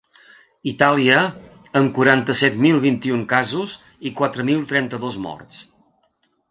Itàlia, amb quaranta-set mil vint-i-un casos i quatre mil trenta-dos morts.